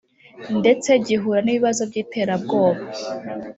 ndetse gihura n’ibibazo by’iterabwoba